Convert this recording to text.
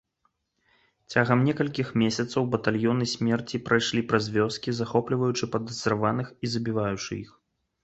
Цягам некалькіх месяцаў батальёны смерці прайшлі праз вёскі, захопліваючы падазраваных і забіваючы іх.